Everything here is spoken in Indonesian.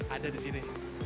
ada di sini